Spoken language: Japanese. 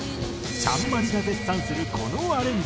ちゃんＭＡＲＩが絶賛するこのアレンジ。